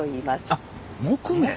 あっ木毛。